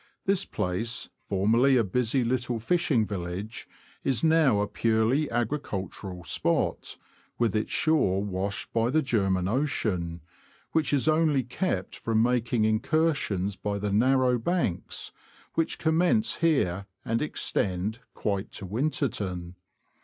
This place, formerly a busy little fishing village, is now a purely agricultural spot, with its shore washed by the German Ocean, which is only kept from making incursions by the narrow banks, which commence here, and extend quite to Winterton.